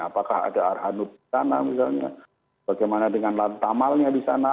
apakah ada arhanud di sana misalnya bagaimana dengan lantamalnya di sana